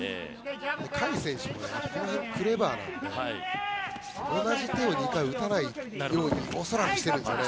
海選手も、その辺クレバーなので同じ手は２回打たないように恐らく、してるんですよね。